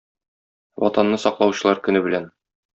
Ватанны саклаучылар көне белән!